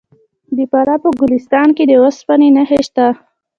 د فراه په ګلستان کې د وسپنې نښې شته.